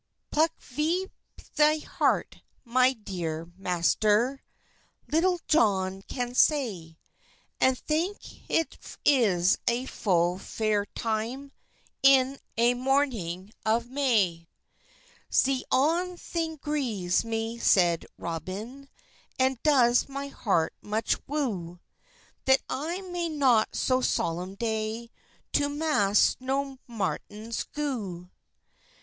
"Pluk vp thi hert, my dere mayster," Litulle Johne can sey, "And thynk hit is a fulle fayre tyme In a mornynge of may." "Ze on thynge greves me," seid Robyne, "And does my hert mych woo, That I may not so solem day To mas nor matyns goo.